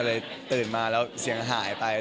ตื่นมาแล้วเสียงหายไป